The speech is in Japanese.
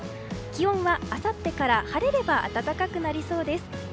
気温は、あさってから晴れれば暖かくなりそうです。